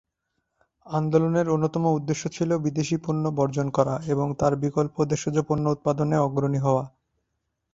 আন্দোলনের অন্যতম উদ্দেশ্য ছিল বিদেশি পণ্য বর্জন করা এবং তার বিকল্প দেশজ পণ্য উৎপাদনে অগ্রণী হওয়া।